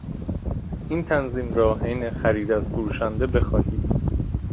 این تنظیم را حین خرید از فروشنده بخواهید.